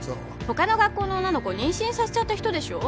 他の学校の女の子妊娠させちゃった人でしょ